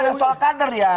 itu soal kader ya